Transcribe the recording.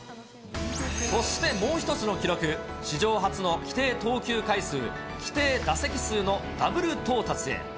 そしてもう一つの記録、史上初の規定投球回数、規定打席数のダブル到達へ。